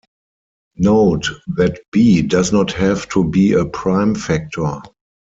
Note that B does not have to be a prime factor.